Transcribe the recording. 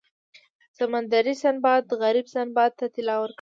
سمندري سنباد غریب سنباد ته طلا ورکړه.